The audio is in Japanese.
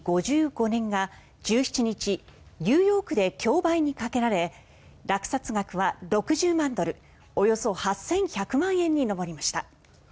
５５年が１７日ニューヨークで競売にかけられ落札額は６０万ドルおよそ８１００万円に上りました。